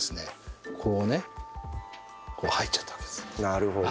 なるほど。